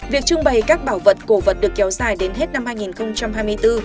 việc trưng bày các bảo vật cổ vật được kéo dài đến hết năm hai nghìn hai mươi bốn